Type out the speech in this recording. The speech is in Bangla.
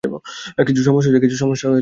কিছু সমস্যা হয়েছে?